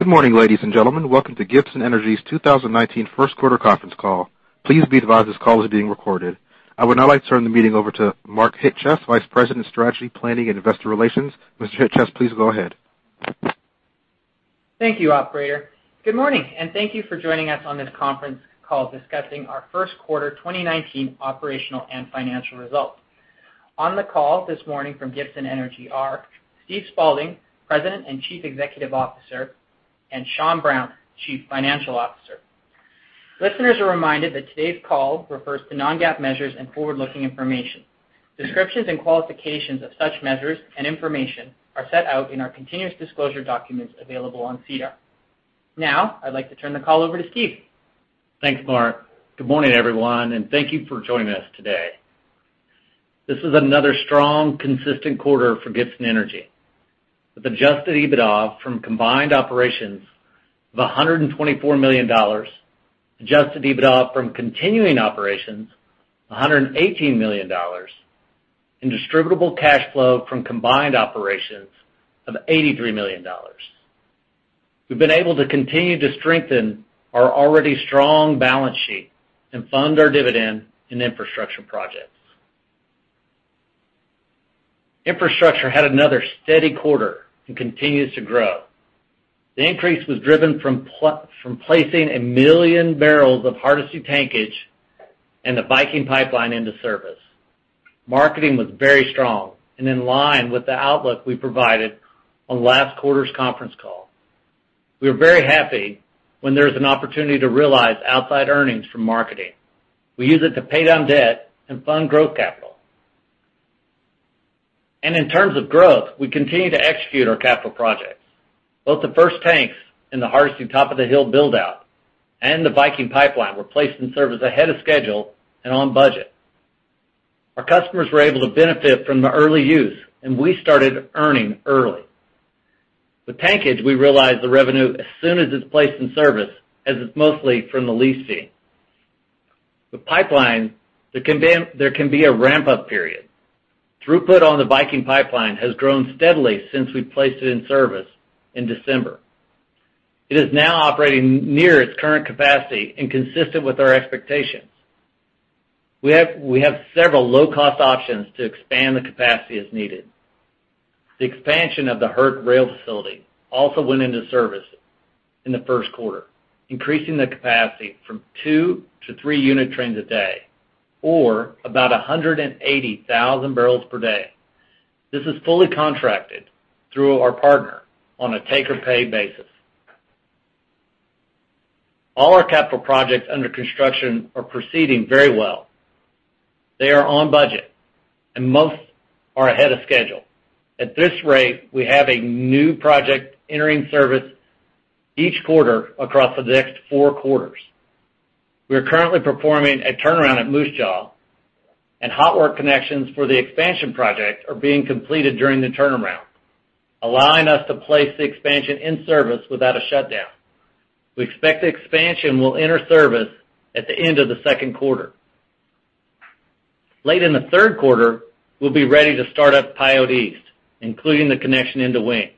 Good morning, ladies and gentlemen. Welcome to Gibson Energy's 2019 first quarter conference call. Please be advised this call is being recorded. I would now like to turn the meeting over to Mark Chyc-Cies, Vice President of Strategy, Planning, and Investor Relations. Mr. Chyc-Cies, please go ahead. Thank you, operator. Good morning, and thank you for joining us on this conference call discussing our first quarter 2019 operational and financial results. On the call this morning from Gibson Energy are Steve Spaulding, President and Chief Executive Officer, and Sean Brown, Chief Financial Officer. Listeners are reminded that today's call refers to non-GAAP measures and forward-looking information. Descriptions and qualifications of such measures and information are set out in our continuous disclosure documents available on SEDAR. I'd like to turn the call over to Steve. Thanks, Mark. Good morning, everyone, and thank you for joining us today. This is another strong, consistent quarter for Gibson Energy. With adjusted EBITDA from combined operations of 124 million dollars, adjusted EBITDA from continuing operations, 118 million dollars, and distributable cash flow from combined operations of 83 million dollars. We've been able to continue to strengthen our already strong balance sheet and fund our dividend and infrastructure projects. Infrastructure had another steady quarter and continues to grow. The increase was driven from placing 1 million barrels of Hardisty tankage and the Viking Pipeline into service. Marketing was very strong and in line with the outlook we provided on last quarter's conference call. We were very happy when there's an opportunity to realize outside earnings from marketing. We use it to pay down debt and fund growth capital. In terms of growth, we continue to execute our capital projects. Both the first tanks in the Hardisty top-of-the-hill build-out and the Viking Pipeline were placed in service ahead of schedule and on budget. Our customers were able to benefit from the early use, and we started earning early. With tankage, we realize the revenue as soon as it's placed in service, as it's mostly from the lease fee. With pipeline, there can be a ramp-up period. Throughput on the Viking Pipeline has grown steadily since we placed it in service in December. It is now operating near its current capacity and consistent with our expectations. We have several low-cost options to expand the capacity as needed. The expansion of the Hardisty rail facility also went into service in the first quarter, increasing the capacity from two to three unit trains a day, or about 180,000 barrels per day. This is fully contracted through our partner on a take or pay basis. All our capital projects under construction are proceeding very well. They are on budget, and most are ahead of schedule. At this rate, we have a new project entering service each quarter across the next four quarters. We are currently performing a turnaround at Moose Jaw, and hot work connections for the expansion project are being completed during the turnaround, allowing us to place the expansion in service without a shutdown. We expect the expansion will enter service at the end of the second quarter. Late in the third quarter, we'll be ready to start up Pyote East, including the connection into Wink.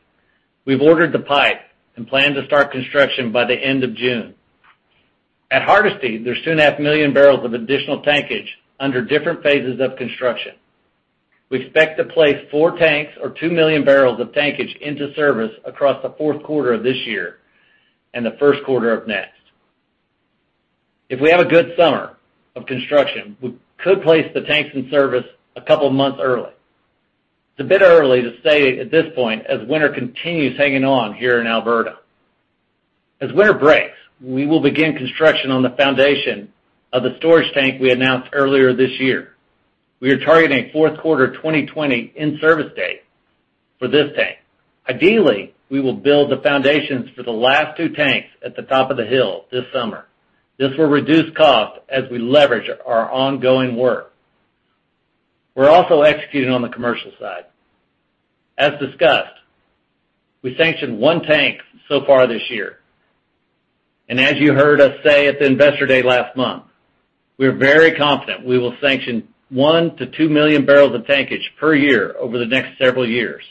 We've ordered the pipe and plan to start construction by the end of June. At Hardisty, there's 2.5 million barrels of additional tankage under different phases of construction. We expect to place four tanks or two million barrels of tankage into service across the fourth quarter of this year and the first quarter of next. If we have a good summer of construction, we could place the tanks in service a couple of months early. It's a bit early to say at this point, as winter continues hanging on here in Alberta. As winter breaks, we will begin construction on the foundation of the storage tank we announced earlier this year. We are targeting fourth quarter 2020 in-service date for this tank. Ideally, we will build the foundations for the last two tanks at the top of the hill this summer. This will reduce cost as we leverage our ongoing work. We're also executing on the commercial side. As discussed, we sanctioned one tank so far this year. As you heard us say at the Investor Day last month, we are very confident we will sanction one to two million barrels of tankage per year over the next several years.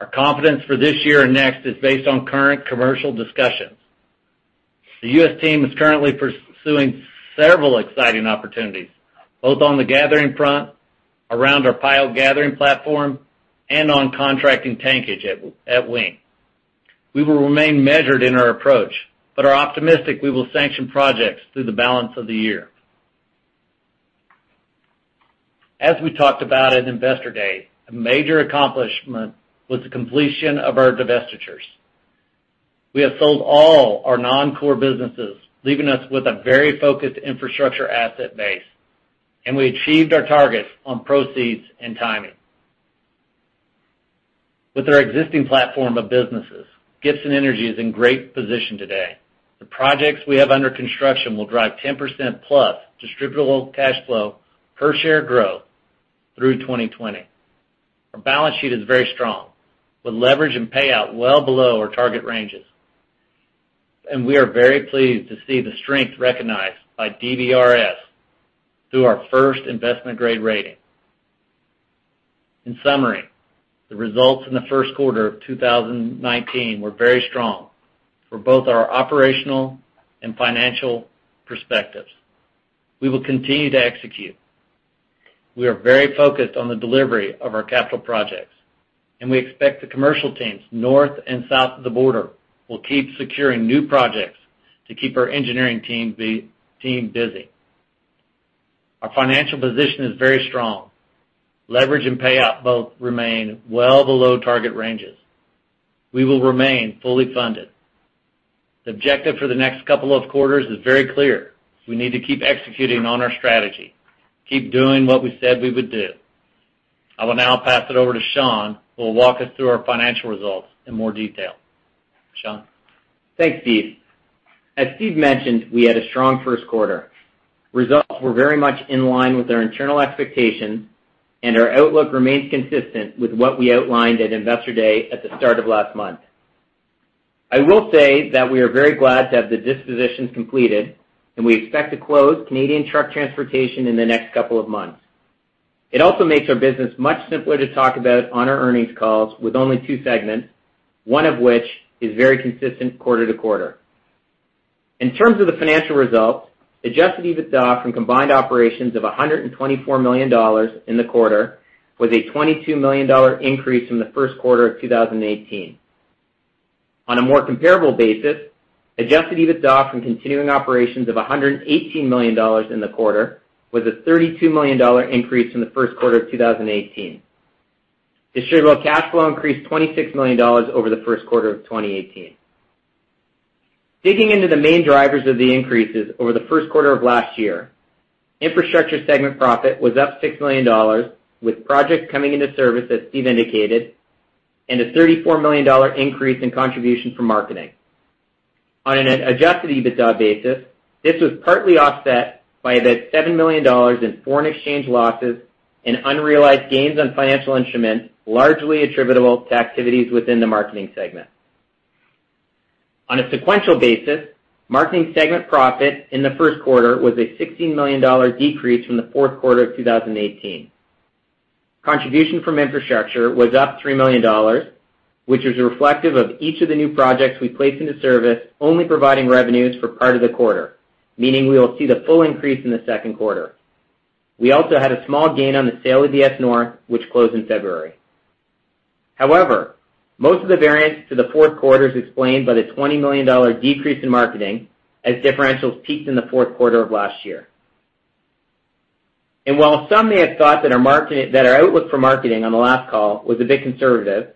Our confidence for this year and next is based on current commercial discussions. The U.S. team is currently pursuing several exciting opportunities, both on the gathering front, around our Pyote Gathering platform, and on contracting tankage at Wink. We will remain measured in our approach, but are optimistic we will sanction projects through the balance of the year. As we talked about at Investor Day, a major accomplishment was the completion of our divestitures. We have sold all our non-core businesses, leaving us with a very focused infrastructure asset base, and we achieved our targets on proceeds and timing. With our existing platform of businesses, Gibson Energy is in great position today. The projects we have under construction will drive 10% plus distributable cash flow per share growth through 2020. Our balance sheet is very strong, with leverage and payout well below our target ranges. We are very pleased to see the strength recognized by DBRS through our first investment-grade rating. In summary, the results in the first quarter of 2019 were very strong for both our operational and financial perspectives. We will continue to execute. We are very focused on the delivery of our capital projects, and we expect the commercial teams north and south of the border will keep securing new projects to keep our engineering team busy. Our financial position is very strong. Leverage and payout both remain well below target ranges. We will remain fully funded. The objective for the next couple of quarters is very clear. We need to keep executing on our strategy, keep doing what we said we would do. I will now pass it over to Sean, who will walk us through our financial results in more detail. Sean? Thanks, Steve. As Steve mentioned, we had a strong first quarter. Results were very much in line with our internal expectations, our outlook remains consistent with what we outlined at Investor Day at the start of last month. I will say that we are very glad to have the dispositions completed, and we expect to close Canadian truck transportation in the next couple of months. It also makes our business much simpler to talk about on our earnings calls with only two segments, one of which is very consistent quarter-over-quarter. In terms of the financial results, adjusted EBITDA from combined operations of 124 million dollars in the quarter was a 22 million dollar increase from the first quarter of 2018. On a more comparable basis, adjusted EBITDA from continuing operations of 118 million dollars in the quarter was a 32 million dollar increase from the first quarter of 2018. Distributable cash flow increased 26 million dollars over the first quarter of 2018. Digging into the main drivers of the increases over the first quarter of last year, infrastructure segment profit was up 6 million dollars, with projects coming into service, as Steve indicated, and a 34 million dollar increase in contribution from marketing. On an adjusted EBITDA basis, this was partly offset by the 7 million dollars in foreign exchange losses and unrealized gains on financial instruments, largely attributable to activities within the marketing segment. On a sequential basis, marketing segment profit in the first quarter was a 16 million dollar decrease from the fourth quarter of 2018. Contribution from infrastructure was up 3 million dollars, which was reflective of each of the new projects we placed into service only providing revenues for part of the quarter, meaning we will see the full increase in the second quarter. We also had a small gain on the sale of ES North, which closed in February. However, most of the variance to the fourth quarter is explained by the 20 million dollar decrease in marketing, as differentials peaked in the fourth quarter of last year. While some may have thought that our outlook for marketing on the last call was a bit conservative,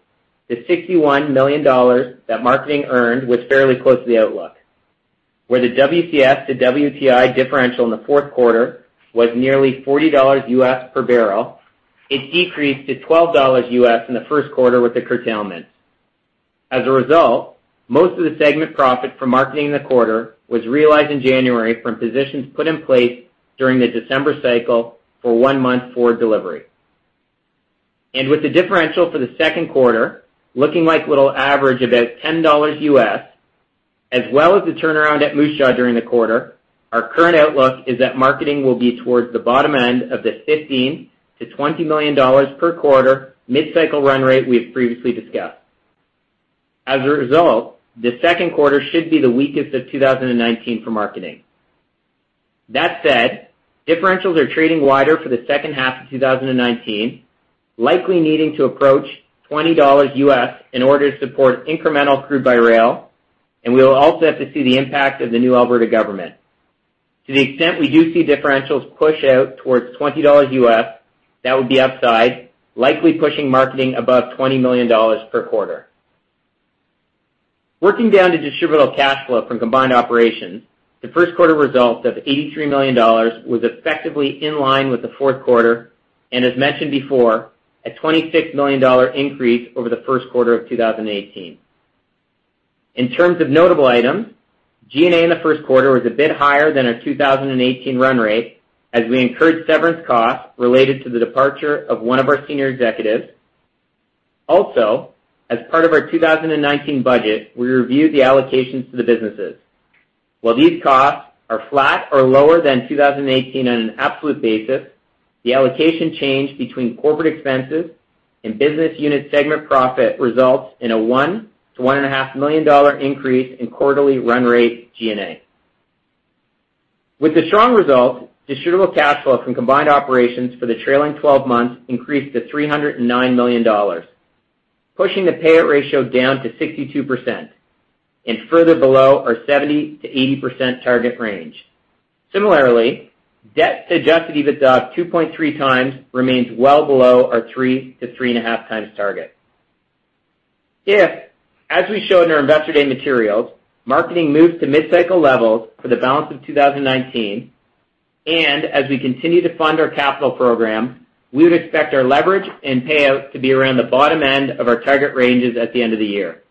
the 61 million dollars that marketing earned was fairly close to the outlook. Where the WCS to WTI differential in the fourth quarter was nearly $40 U.S. per barrel, it decreased to $12 U.S. in the first quarter with the curtailment. As a result, most of the segment profit from marketing in the quarter was realized in January from positions put in place during the December cycle for one-month forward delivery. With the differential for the second quarter looking like it'll average about $10 U.S., as well as the turnaround at Moose Jaw during the quarter, our current outlook is that marketing will be towards the bottom end of the 15 million-20 million dollars per quarter mid-cycle run rate we have previously discussed. As a result, the second quarter should be the weakest of 2019 for marketing. That said, differentials are trading wider for the second half of 2019, likely needing to approach $20 U.S. in order to support incremental crude by rail, and we will also have to see the impact of the new Alberta government. To the extent we do see differentials push out towards $20 U.S., that would be upside, likely pushing marketing above 20 million dollars per quarter. Distributable cash flow from combined operations, the first quarter result of 83 million dollars was effectively in line with the fourth quarter, and as mentioned before, a 26 million dollar increase over the first quarter of 2018. In terms of notable items, G&A in the first quarter was a bit higher than our 2018 run rate as we incurred severance costs related to the departure of one of our senior executives. Also, as part of our 2019 budget, we reviewed the allocations to the businesses. While these costs are flat or lower than 2018 on an absolute basis, the allocation change between corporate expenses and business unit segment profit results in a 1 million-1.5 million dollar increase in quarterly run rate G&A. With the strong result, distributable cash flow from combined operations for the trailing 12 months increased to 309 million dollars, pushing the payout ratio down to 62% and further below our 70%-80% target range. Similarly, debt to adjusted EBITDA 2.3 times remains well below our 3-3.5 times target. If, as we show in our Investor Day materials, marketing moves to mid-cycle levels for the balance of 2019 and as we continue to fund our capital program, we would expect our leverage and payout to be around the bottom end of our target ranges at the end of the year.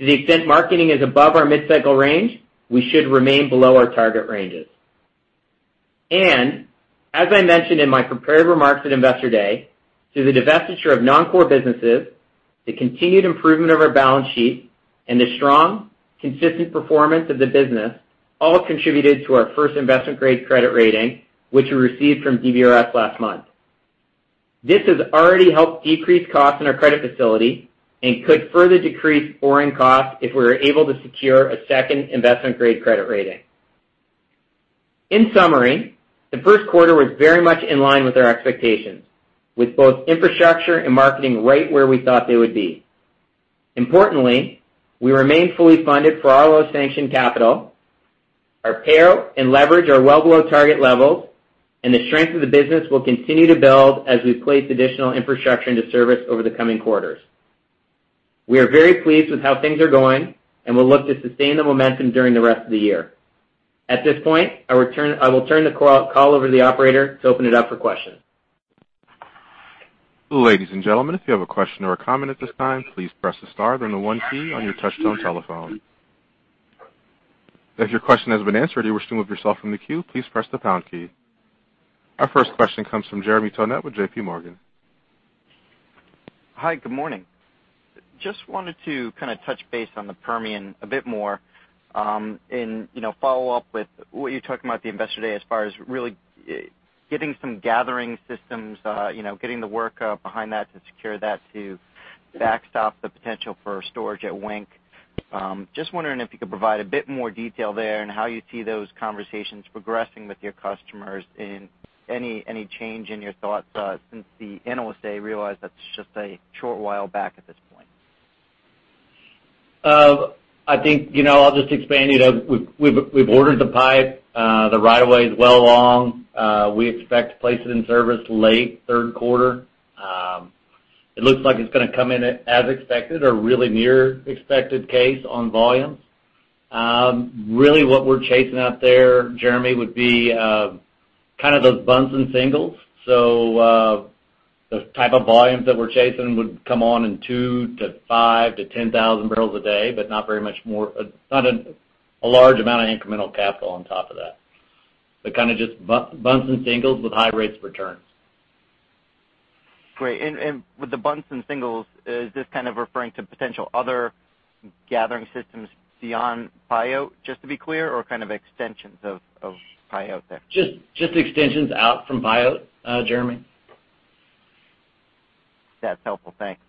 To the extent marketing is above our mid-cycle range, we should remain below our target ranges. As I mentioned in my prepared remarks at Investor Day, through the divestiture of non-core businesses. The continued improvement of our balance sheet and the strong, consistent performance of the business all contributed to our first investment-grade credit rating, which we received from DBRS last month. This has already helped decrease costs in our credit facility and could further decrease borrowing costs if we're able to secure a second investment-grade credit rating. In summary, the first quarter was very much in line with our expectations with both infrastructure and marketing rate where we thought they would be. Importantly, we remain fully funded for all our sanctioned capital. Our payout and leverage are well below target levels, and the strength of the business will continue to build as we place additional infrastructure into service over the coming quarters. We are very pleased with how things are going and will look to sustain the momentum during the rest of the year. At this point, I will turn the call over to the operator to open it up for questions. Ladies and gentlemen, if you have a question or a comment at this time, please press the star then the one key on your Touch-Tone telephone. If your question has been answered, or you wish to remove yourself from the queue, please press the pound key. Our first question comes from Jeremy Tonet with J.P. Morgan. Hi, good morning. Just wanted to touch base on the Permian a bit more, and follow up with what you talked about at the investor day as far as really getting some gathering systems, getting the work up behind that to secure that to backstop the potential for storage at Wink. Just wondering if you could provide a bit more detail there and how you see those conversations progressing with your customers and any change in your thoughts since the analyst day realized that's just a short while back at this point. I think I'll just expand. We've ordered the pipe. The right of way is well along. We expect to place it in service late third quarter. It looks like it's going to come in as expected or really near expected case on volumes. Really what we're chasing out there, Jeremy, would be those bunts and singles. Those type of volumes that we're chasing would come on in two to five to 10,000 barrels a day, but not very much more. Not a large amount of incremental capital on top of that. Kind of just bunts and singles with high rates of returns. Great. With the bunts and singles, is this kind of referring to potential other gathering systems beyond Pyote, just to be clear, or kind of extensions of Pyote there? Just extensions out from Pyote, Jeremy. That's helpful. Thanks.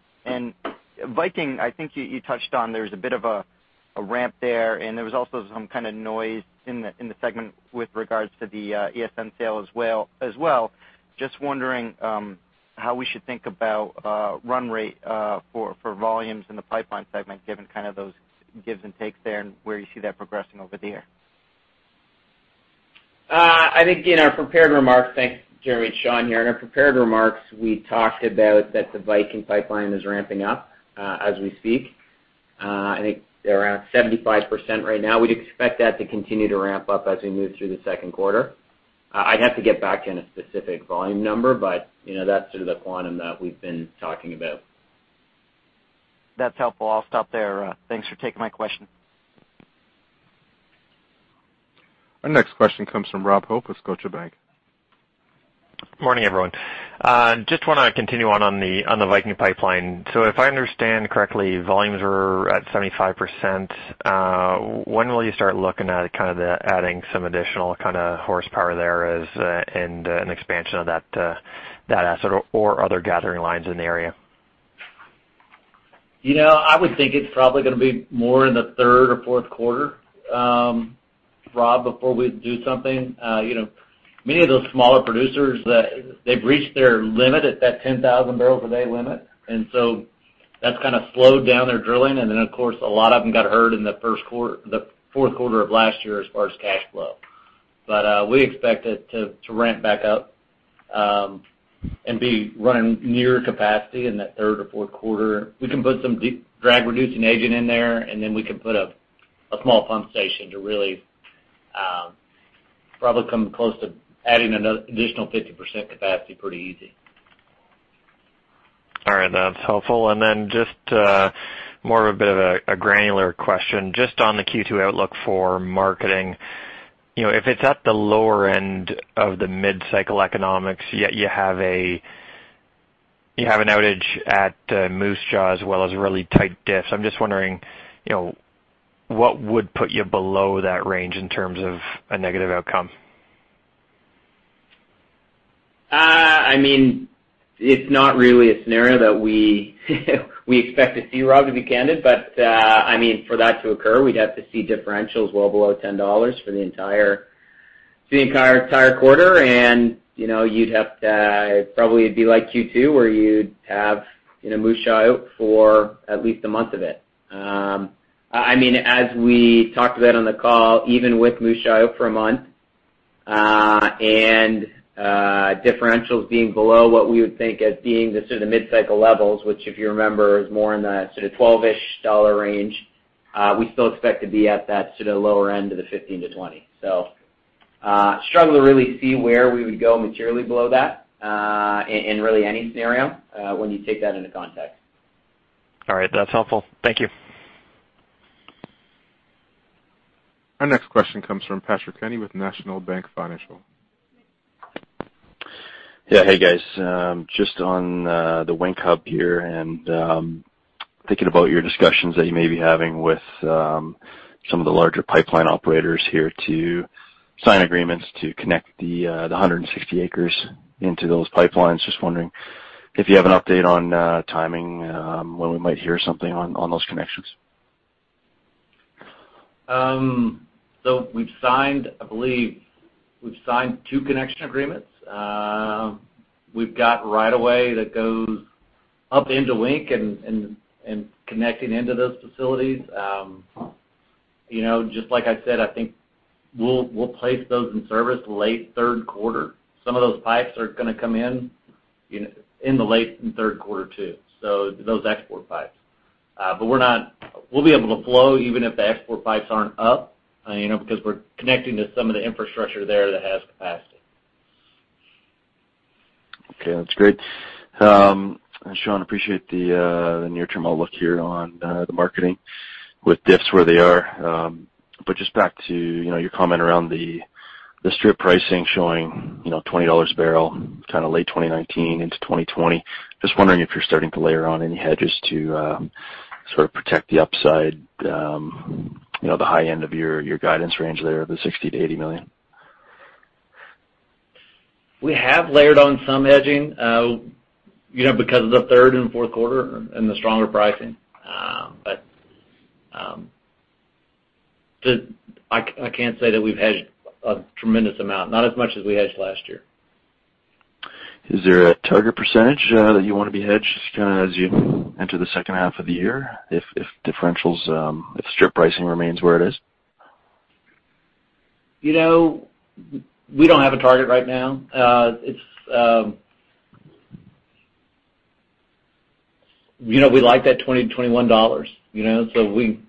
Viking, I think you touched on, there was a bit of a ramp there was also some kind of noise in the segment with regards to the ESN sale as well. Just wondering how we should think about run rate for volumes in the pipeline segment, given those gives and takes there and where you see that progressing over the year. Thanks, Jeremy. Sean here. In our prepared remarks, we talked about that the Viking Pipeline is ramping up as we speak. I think they're around 75% right now. We'd expect that to continue to ramp up as we move through the second quarter. I'd have to get back to you on a specific volume number, but that's sort of the quantum that we've been talking about. That's helpful. I'll stop there. Thanks for taking my question. Our next question comes from Robert Hope with Scotiabank. Morning, everyone. If I understand correctly, volumes are at 75%. When will you start looking at kind of adding some additional horsepower there as an expansion of that asset or other gathering lines in the area? I would think it's probably going to be more in the third or fourth quarter, Rob, before we do something. Many of those smaller producers, they've reached their limit at that 10,000 barrels a day limit, that's kind of slowed down their drilling. Of course, a lot of them got hurt in the fourth quarter of last year as far as cash flow. We expect it to ramp back up and be running near capacity in that third or fourth quarter. We can put some drag-reducing agent in there, then we can put a small pump station to really probably come close to adding an additional 50% capacity pretty easy. All right. That's helpful. Just more of a bit of a granular question. Just on the Q2 outlook for marketing. If it's at the lower end of the mid-cycle economics, yet you have an outage at Moose Jaw as well as really tight diffs. I'm just wondering, what would put you below that range in terms of a negative outcome? It's not really a scenario that we expect to see, Rob, to be candid. For that to occur, we'd have to see differentials well below 10 dollars for the entire quarter, and it'd probably be like Q2, where you'd have Moose Jaw out for at least a month of it. As we talked about on the call, even with Moose Jaw out for a month, and differentials being below what we would think as being the sort of mid-cycle levels, which if you remember, is more in the sort of 12-ish dollar range, we still expect to be at that sort of lower end of the 15 to 20. Struggle to really see where we would go materially below that in really any scenario when you take that into context. All right. That's helpful. Thank you. Our next question comes from Patrick Kenny with National Bank Financial. Yeah. Hey, guys. Just on the Wink hub here and thinking about your discussions that you may be having with some of the larger pipeline operators here to sign agreements to connect the 160 acres into those pipelines. Just wondering if you have an update on timing, when we might hear something on those connections. I believe we've signed two connection agreements. We've got right away that goes up into Wink and connecting into those facilities. Just like I said, I think we'll place those in service late third quarter. Some of those pipes are going to come in the late third quarter, too, those export pipes. We'll be able to flow even if the export pipes aren't up, because we're connecting to some of the infrastructure there that has capacity. Okay. That's great. Sean, appreciate the near-term outlook here on the marketing with diffs where they are. Just back to your comment around the strip pricing showing 20 dollars a barrel kind of late 2019 into 2020. Just wondering if you're starting to layer on any hedges to sort of protect the upside, the high end of your guidance range there of the 60 million-80 million. We have layered on some hedging, because of the third and fourth quarter and the stronger pricing. I can't say that we've hedged a tremendous amount. Not as much as we hedged last year. Is there a target percentage that you want to be hedged as you enter the second half of the year, if strip pricing remains where it is? We don't have a target right now. We like that 20 to 21 dollars. Probably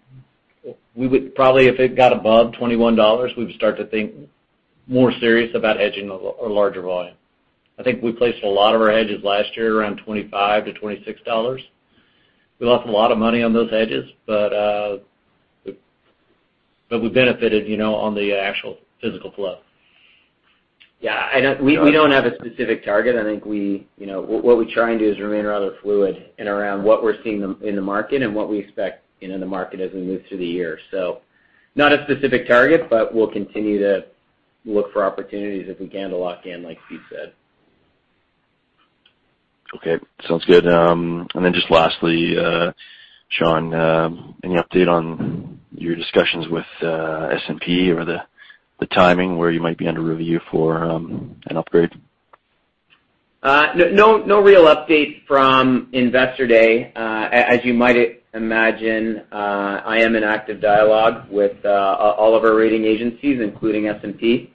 if it got above 21 dollars, we would start to think more serious about hedging a larger volume. I think we placed a lot of our hedges last year around 25 to 26 dollars. We lost a lot of money on those hedges, but we benefited on the actual physical flow. Yeah, we don't have a specific target. I think what we try and do is remain rather fluid in around what we're seeing in the market and what we expect in the market as we move through the year. Not a specific target, but we'll continue to look for opportunities if we can to lock in, like Steve said. Okay. Sounds good. Then just lastly, Sean, any update on your discussions with S&P or the timing where you might be under review for an upgrade? No real update from Investor Day. As you might imagine, I am in active dialogue with all of our rating agencies, including S&P.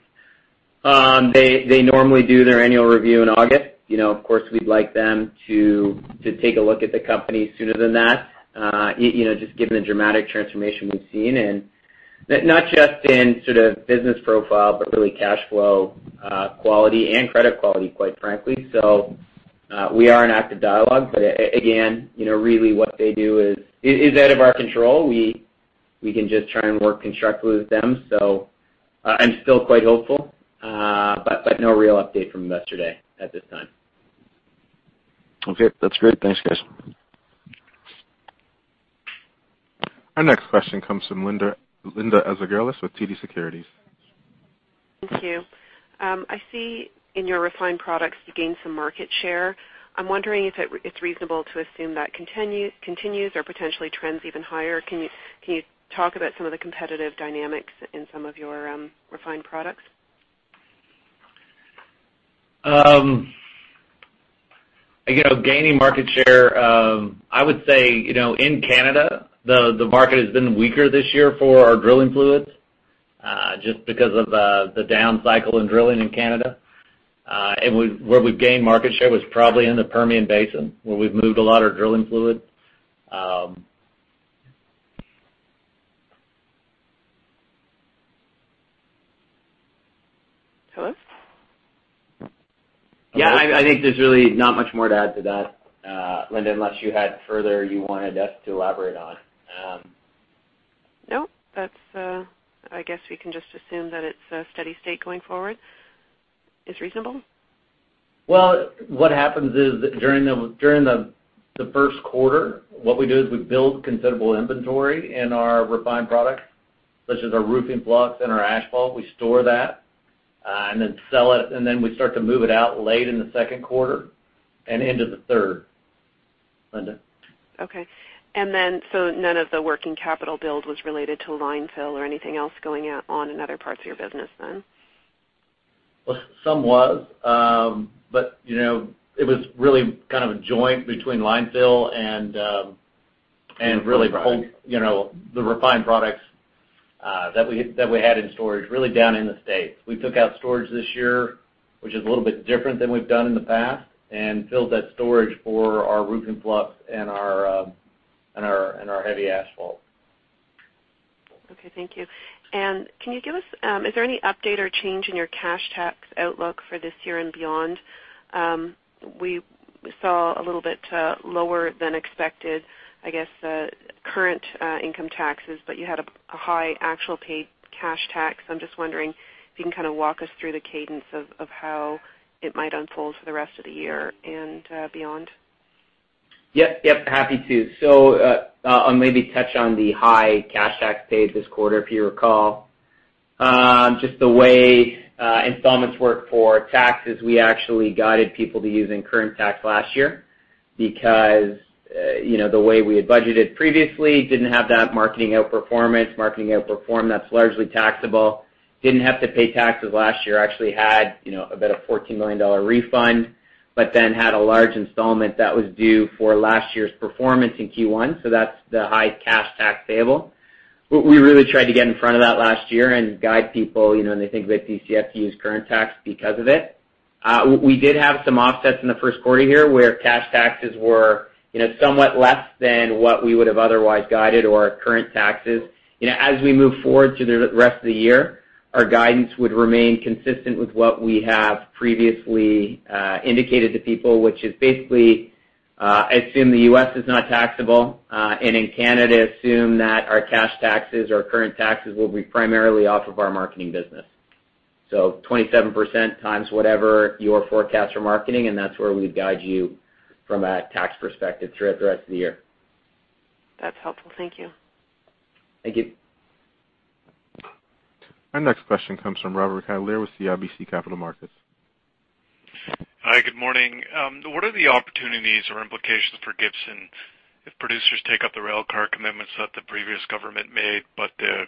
They normally do their annual review in August. Of course, we'd like them to take a look at the company sooner than that, just given the dramatic transformation we've seen. Not just in sort of business profile, but really cash flow quality and credit quality, quite frankly. We are in active dialogue. Again, really what they do is out of our control. We can just try and work constructively with them. I'm still quite hopeful. No real update from Investor Day at this time. Okay. That's great. Thanks, guys. Our next question comes from Linda Ezergailis with TD Securities. Thank you. I see in your refined products you gained some market share. I'm wondering if it's reasonable to assume that continues or potentially trends even higher. Can you talk about some of the competitive dynamics in some of your refined products? Again, with gaining market share, I would say, in Canada, the market has been weaker this year for our drilling fluids, just because of the down cycle in drilling in Canada. Where we've gained market share was probably in the Permian Basin, where we've moved a lot of drilling fluid. Hello? Yeah, I think there's really not much more to add to that, Linda, unless you had further you wanted us to elaborate on. No. I guess we can just assume that it's a steady state going forward is reasonable. Well, what happens is during the first quarter, what we do is we build considerable inventory in our refined products, such as our roofing blocks and our asphalt. We store that and then sell it, and then we start to move it out late in the second quarter and into the third, Linda. Okay. None of the working capital build was related to line fill or anything else going on in other parts of your business then? Some was. It was really kind of a joint between line fill and really the refined products that we had in storage really down in the U.S. We took out storage this year, which is a little bit different than we've done in the past, and filled that storage for our roofing blocks and our heavy asphalt. Okay. Thank you. Can you give us, is there any update or change in your cash tax outlook for this year and beyond? We saw a little bit lower than expected, I guess, current income taxes, but you had a high actual paid cash tax. I'm just wondering if you can walk us through the cadence of how it might unfold for the rest of the year and beyond. Yep. Happy to. I'll maybe touch on the high cash tax paid this quarter, if you recall. Just the way installments work for taxes, we actually guided people to using current tax last year because, the way we had budgeted previously didn't have that marketing outperformance. Marketing outperformance, that's largely taxable. Didn't have to pay taxes last year. Actually had about a 14 million dollar refund, but then had a large installment that was due for last year's performance in Q1. That's the high cash tax payable. We really tried to get in front of that last year and guide people, and they think we had DCF to use current tax because of it. We did have some offsets in the first quarter here where cash taxes were somewhat less than what we would have otherwise guided or current taxes. As we move forward through the rest of the year, our guidance would remain consistent with what we have previously indicated to people, which is basically, assume the U.S. is not taxable. In Canada, assume that our cash taxes or current taxes will be primarily off of our marketing business. 27% times whatever your forecast for marketing, and that's where we'd guide you from a tax perspective throughout the rest of the year. That's helpful. Thank you. Thank you. Our next question comes from Robert Catellier with CIBC Capital Markets. Hi, good morning. What are the opportunities or implications for Gibson if producers take up the railcar commitments that the previous government made, but the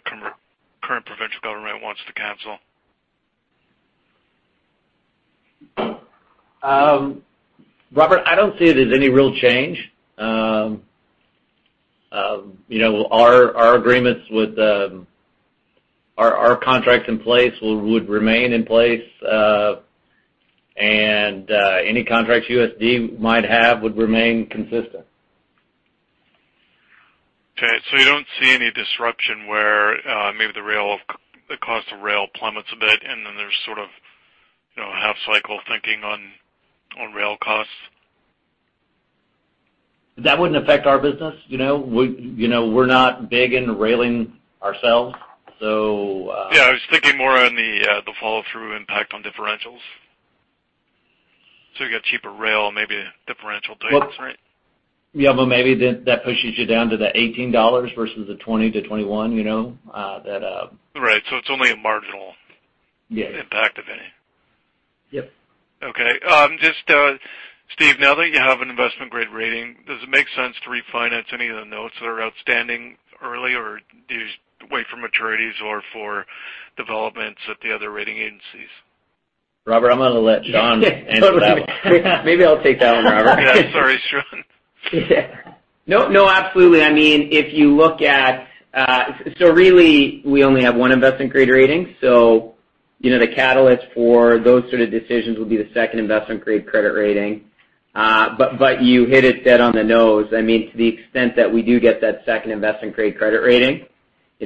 current provincial government wants to cancel? Robert, I don't see it as any real change. Our contracts in place would remain in place, and any contracts USD Group might have would remain consistent. Okay. You don't see any disruption where maybe the cost of rail plummets a bit, and then there's sort of half cycle thinking on rail costs? That wouldn't affect our business. We're not big into railing ourselves. Yeah, I was thinking more on the follow-through impact on differentials. You got cheaper rail, maybe differential tightens, right? Yeah, maybe that pushes you down to the 18 dollars versus the 20-21. Right. It's only a marginal- Yeah impact, if any. Yep. Okay. Just, Steve, now that you have an investment-grade rating, does it make sense to refinance any of the notes that are outstanding early, or do you just wait for maturities or for developments at the other rating agencies? Robert, I'm going to let John answer that one. Maybe I'll take that one, Robert. Yeah. Sorry, Sean. No. Absolutely. Really, we only have one investment-grade rating. The catalyst for those sort of decisions will be the second investment-grade credit rating. You hit it dead on the nose. To the extent that we do get that second investment-grade credit rating,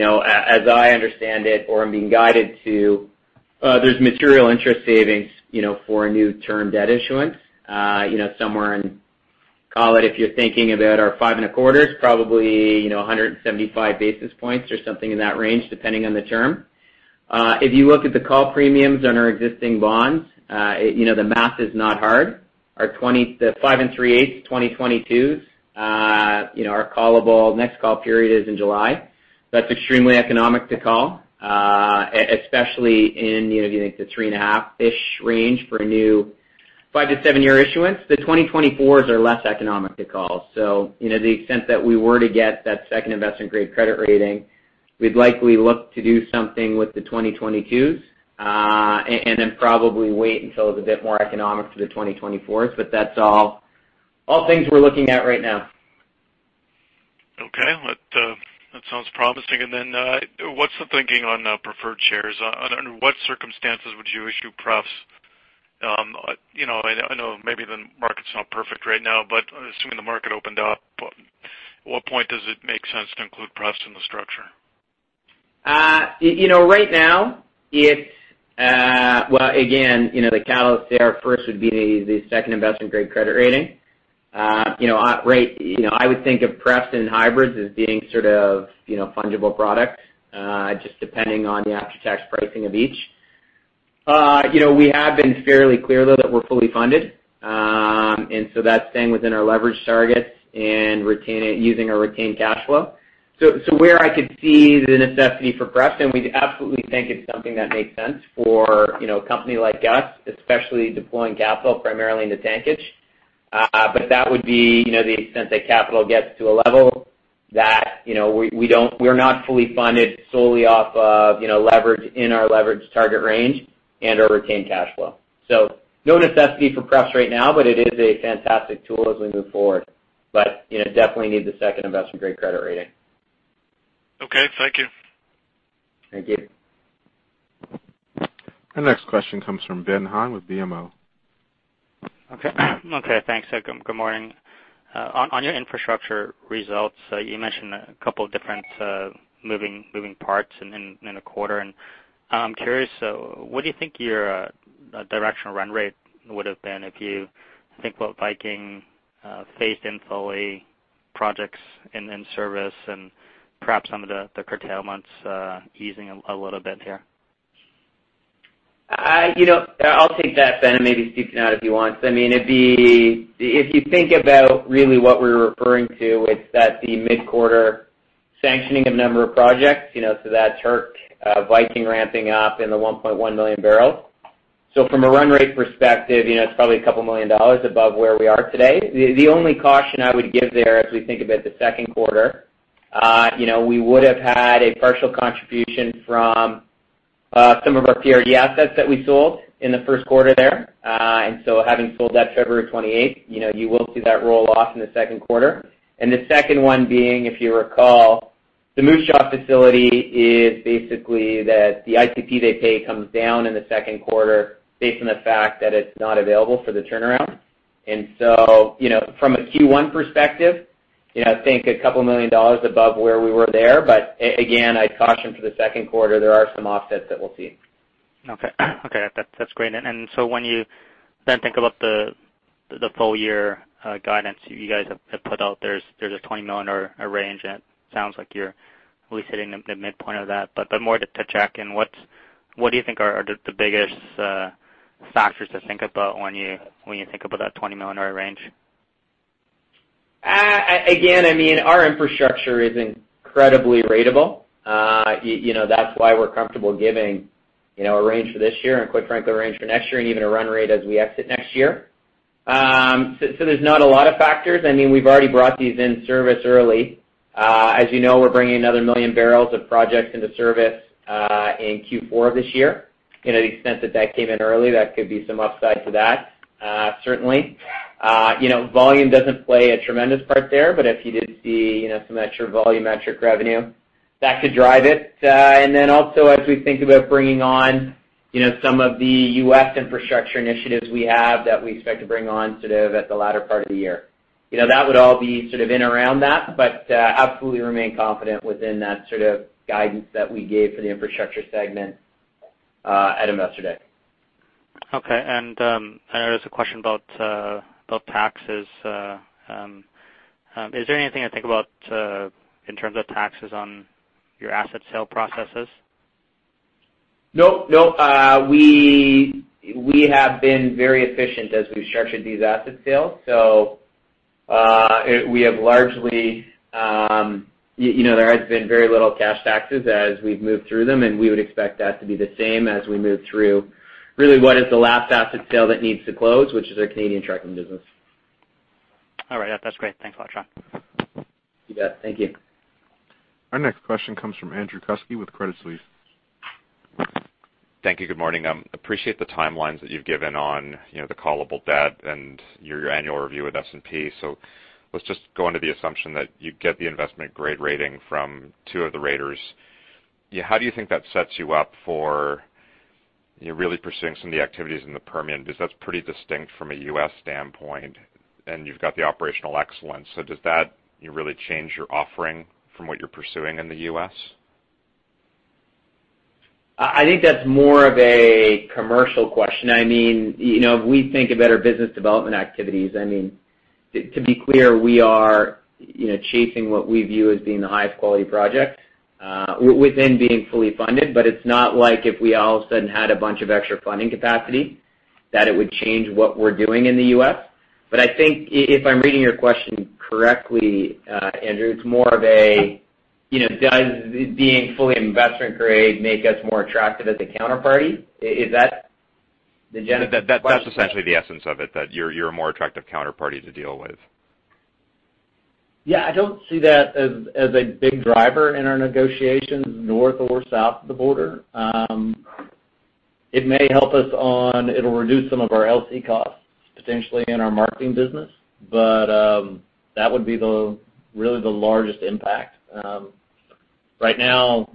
as I understand it or am being guided to, there's material interest savings for a new term debt issuance. Call it, if you're thinking about our 5.25% senior unsecured notes, probably 175 basis points or something in that range, depending on the term. If you look at the call premiums on our existing bonds, the math is not hard. Our five and three-eighths 2022s, our next call period is in July. That's extremely economic to call, especially in, if you think the three-and-a-half-ish range for a new five-to-seven-year issuance. The 2024s are less economic to call. The extent that we were to get that second investment-grade credit rating, we'd likely look to do something with the 2022s, then probably wait until it's a bit more economic for the 2024s. That's all things we're looking at right now. Okay. That sounds promising. Then, what's the thinking on preferred shares? Under what circumstances would you issue prefs? I know maybe the market's not perfect right now, assuming the market opened up, at what point does it make sense to include prefs in the structure? Right now. Well, again, the catalyst there first would be the second investment-grade credit rating. I would think of prefs and hybrids as being sort of fungible products, just depending on the after-tax pricing of each. We have been fairly clear, though, that we're fully funded. That's staying within our leverage targets and using our retained cash flow. Where I could see the necessity for pref, and we absolutely think it's something that makes sense for a company like us, especially deploying capital primarily into tankage. That would be the extent that capital gets to a level that we're not fully funded solely off of leverage in our leverage target range and our retained cash flow. No necessity for pref right now, it is a fantastic tool as we move forward. Definitely need the second investment-grade credit rating. Okay. Thank you. Thank you. Our next question comes from Ben Pham with BMO. Okay, thanks. Good morning. On your infrastructure results, you mentioned a couple different moving parts in the quarter. I'm curious, what do you think your directional run rate would've been if you think about Viking phased in fully, projects in service, and perhaps some of the curtailments easing a little bit here? I'll take that, Ben, and maybe Steve can add if he wants. If you think about really what we were referring to, it's that the mid-quarter sanctioning of number of projects, so that's HURC, Viking ramping up, and the 1.1 million barrels. From a run rate perspective, it's probably a couple million CAD above where we are today. The only caution I would give there as we think about the second quarter, we would've had a partial contribution from some of our PRD assets that we sold in the first quarter there. Having sold that February 28th, you will see that roll off in the second quarter. The second one being, if you recall, the Moose Jaw facility is basically that the ICP they pay comes down in the second quarter based on the fact that it's not available for the turnaround. From a Q1 perspective, I think 2 million dollars above where we were there. Again, I'd caution for the second quarter, there are some offsets that we'll see. Okay. That's great. When you then think about the full year guidance you guys have put out there's a 20 million dollar range, and it sounds like you're at least hitting the midpoint of that. More to check in, what do you think are the biggest factors to think about when you think about that 20 million dollar range? Again, our infrastructure is incredibly ratable. That's why we're comfortable giving a range for this year and quite frankly, a range for next year and even a run rate as we exit next year. There's not a lot of factors. We've already brought these in service early. As you know, we're bringing another 1 million barrels of projects into service in Q4 of this year. To the extent that that came in early, that could be some upside to that certainly. Volume doesn't play a tremendous part there, but if you did see some extra volume, metric revenue, that could drive it. Also as we think about bringing on some of the U.S. infrastructure initiatives we have that we expect to bring on sort of at the latter part of the year. That would all be sort of in around that, absolutely remain confident within that sort of guidance that we gave for the infrastructure segment at Investor Day. Okay. There was a question about taxes. Is there anything to think about in terms of taxes on your asset sale processes? No. We have been very efficient as we've structured these asset sales. We have largely There has been very little cash taxes as we've moved through them, we would expect that to be the same as we move through really what is the last asset sale that needs to close, which is our Canadian trucking business. All right. That's great. Thanks a lot, Sean. You bet. Thank you. Our next question comes from Andrew Kuske with Credit Suisse. Thank you. Good morning. Appreciate the timelines that you've given on the callable debt and your annual review with S&P. Let's just go under the assumption that you get the investment-grade rating from two of the raters. How do you think that sets you up for really pursuing some of the activities in the Permian? Because that's pretty distinct from a U.S. standpoint, and you've got the operational excellence. Does that really change your offering from what you're pursuing in the U.S.? I think that's more of a commercial question. If we think about our business development activities, to be clear, we are chasing what we view as being the highest quality project within being fully funded. It's not like if we all of a sudden had a bunch of extra funding capacity, that it would change what we're doing in the U.S. I think if I'm reading your question correctly, Andrew, it's more of a does being fully investment-grade make us more attractive as a counterparty? Is that the genesis of the question? That's essentially the essence of it, that you're a more attractive counterparty to deal with. Yeah, I don't see that as a big driver in our negotiations north or south of the border. It'll reduce some of our LC costs potentially in our marketing business. That would be really the largest impact. Right now,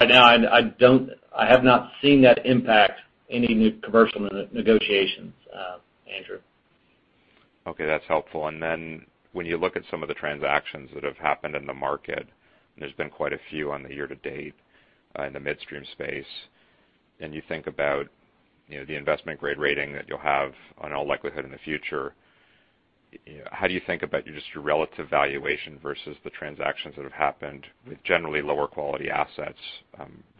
I have not seen that impact any new commercial negotiations, Andrew. Okay, that's helpful. When you look at some of the transactions that have happened in the market, there's been quite a few on the year to date in the midstream space, you think about the investment-grade rating that you'll have in all likelihood in the future, how do you think about just your relative valuation versus the transactions that have happened with generally lower quality assets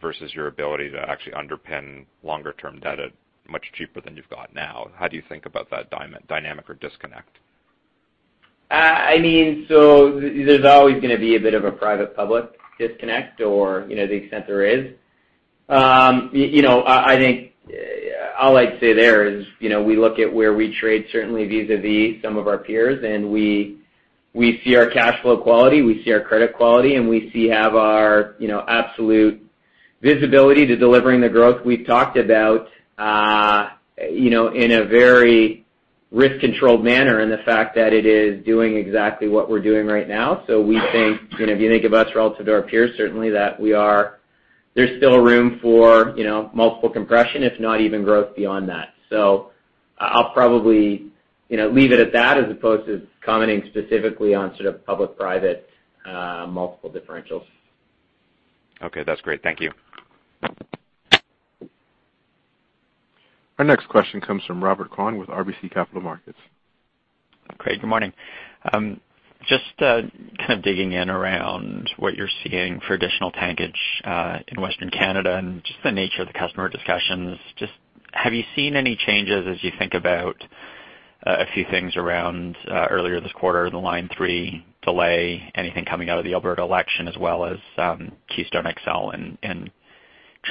versus your ability to actually underpin longer-term debt at much cheaper than you've got now? How do you think about that dynamic or disconnect? There's always going to be a bit of a private-public disconnect or to the extent there is. I think all I'd say there is, we look at where we trade certainly vis-à-vis some of our peers, we see our cash flow quality, we see our credit quality, we see have our absolute visibility to delivering the growth we've talked about in a very risk-controlled manner in the fact that it is doing exactly what we're doing right now. We think, if you think of us relative to our peers, certainly there's still room for multiple compression, if not even growth beyond that. I'll probably leave it at that as opposed to commenting specifically on sort of public/private multiple differentials. Okay. That's great. Thank you. Our next question comes from Robert Kwan with RBC Capital Markets. Great. Good morning. Kind of digging in around what you're seeing for additional tankage in Western Canada and just the nature of the customer discussions. Have you seen any changes as you think about a few things around earlier this quarter, the Line 3 delay, anything coming out of the Alberta election, as well as Keystone XL and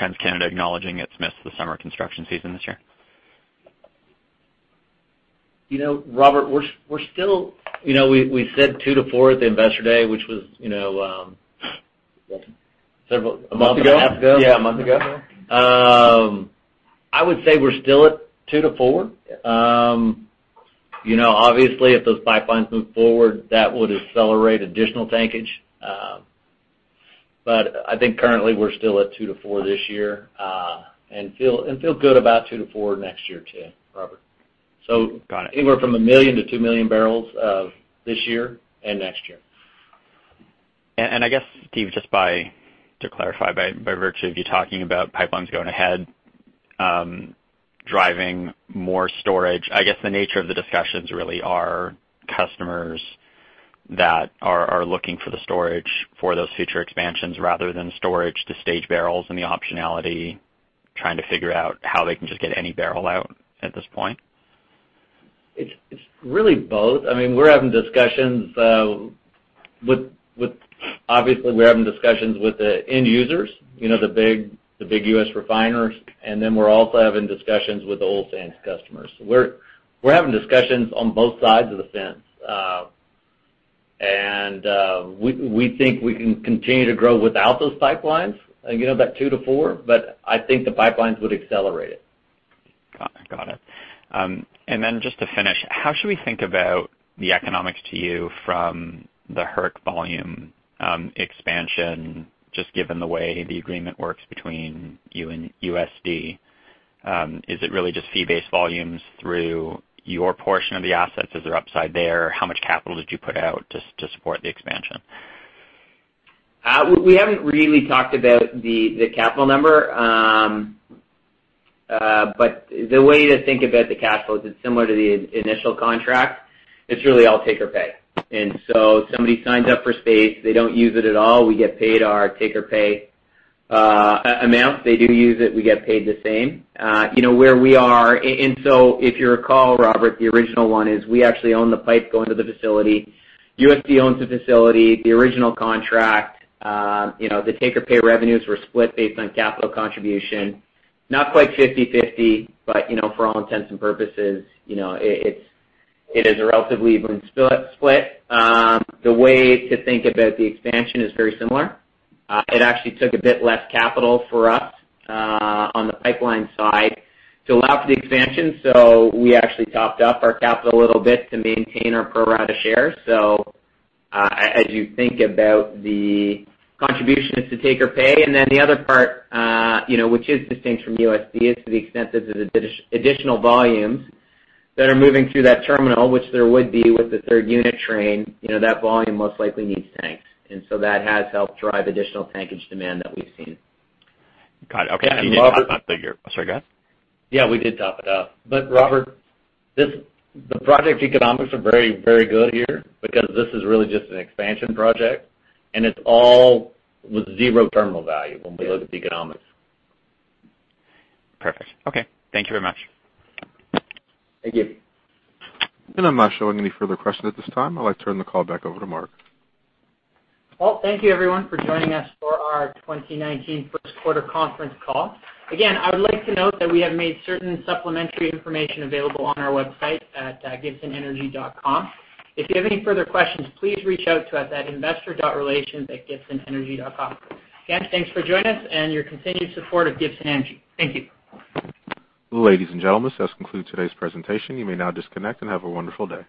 TransCanada acknowledging it's missed the summer construction season this year? Robert, we said two to four at the investor day, which was. A month ago, half ago? Yeah, a month ago. I would say we're still at two to four. Yeah. Obviously, if those pipelines move forward, that would accelerate additional tankage. I think currently we're still at two to four this year, and feel good about two to four next year too, Robert. Got it. Anywhere from a million to two million barrels this year and next year. I guess, Steve, just to clarify, by virtue of you talking about pipelines going ahead, driving more storage, I guess the nature of the discussions really are customers that are looking for the storage for those future expansions rather than storage to stage barrels and the optionality, trying to figure out how they can just get any barrel out at this point? It's really both. Obviously, we're having discussions with the end users, the big U.S. refiners, then we're also having discussions with the oil sands customers. We're having discussions on both sides of the fence. We think we can continue to grow without those pipelines, again, about two to four, I think the pipelines would accelerate it. Got it. Just to finish, how should we think about the economics to you from the HURC volume expansion, just given the way the agreement works between you and USD Group? Is it really just fee-based volumes through your portion of the assets? Is there upside there? How much capital did you put out to support the expansion? We haven't really talked about the capital number. The way to think about the capital is it's similar to the initial contract. It's really all take or pay. Somebody signs up for space, they don't use it at all, we get paid our take or pay amount. They do use it, we get paid the same. If you recall, Robert, the original one is we actually own the pipe going to the facility. USD Group owns the facility. The original contract, the take or pay revenues were split based on capital contribution. Not quite 50/50, but for all intents and purposes, it is a relatively even split. The way to think about the expansion is very similar. It actually took a bit less capital for us on the pipeline side to allow for the expansion. We actually topped up our capital a little bit to maintain our pro rata share. As you think about the contribution is to take or pay, the other part, which is distinct from USD Group, is to the extent that there's additional volumes that are moving through that terminal, which there would be with the third unit train. That volume most likely needs tanks. That has helped drive additional tankage demand that we've seen. Got it. Okay. You did top that figure. Sorry, go ahead. Yeah, we did top it up. Robert, the project economics are very good here because this is really just an expansion project, and it's all with zero terminal value when we look at the economics. Perfect. Okay. Thank you very much. Thank you. I'm not showing any further questions at this time. I'd like to turn the call back over to Mark. Thank you everyone for joining us for our 2019 first quarter conference call. Again, I would like to note that we have made certain supplementary information available on our website at gibsonenergy.com. If you have any further questions, please reach out to us at investor.relations@gibsonenergy.com. Again, thanks for joining us and your continued support of Gibson Energy. Thank you. Ladies and gentlemen, this does conclude today's presentation. You may now disconnect, and have a wonderful day.